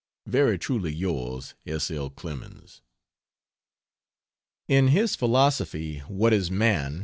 Very truly yours, S. L. CLEMENS. In his philosophy, What Is Man?